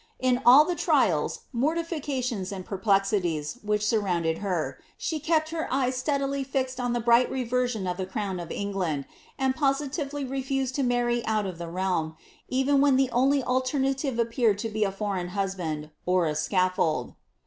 In all the trials, mortifica tions, and perplexities which surrounded her, she kept her eye steadily fixed on the bright reversion of the crown of England, aud positively refused to marry out of the realm, even when the only alternative ap peared to be a foreign husband or a scaflbld.